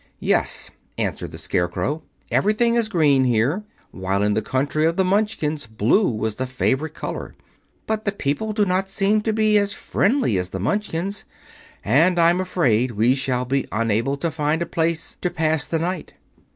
"Yes," answered the Scarecrow. "Everything is green here, while in the country of the Munchkins blue was the favorite color. But the people do not seem to be as friendly as the Munchkins, and I'm afraid we shall be unable to find a place to pass the night."